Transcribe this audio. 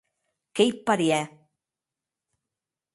Qu'ei parièr.